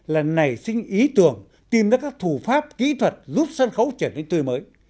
là nảy sinh ý tưởng tìm ra các thủ pháp kỹ thuật giúp sân khấu trở nên tươi mới